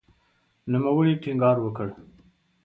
نوموړي ټینګار وکړ